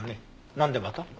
なんでまた？